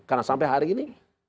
karena sampai hari ini